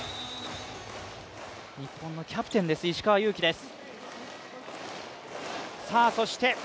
日本のキャプテンです石川祐希です。